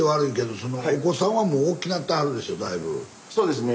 そうですね。